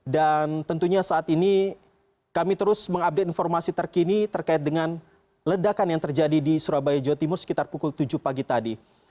dan tentunya saat ini kami terus mengupdate informasi terkini terkait dengan ledakan yang terjadi di surabaya jawa timur sekitar pukul tujuh pagi tadi